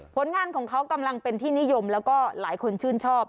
ผลงานของเขากำลังเป็นที่นิยมแล้วก็หลายคนชื่นชอบ